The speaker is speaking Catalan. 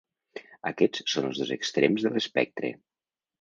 Aquests són els dos extrems de l’espectre.